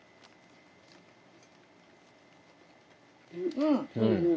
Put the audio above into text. うん。